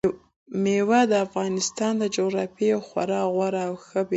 مېوې د افغانستان د جغرافیې یوه خورا غوره او ښه بېلګه ده.